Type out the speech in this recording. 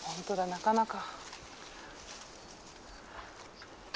なかなか。